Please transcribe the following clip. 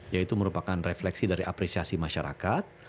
yaitu merupakan refleksi dari apresiasi masyarakat